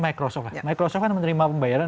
microsoft microsoft kan menerima pembayaran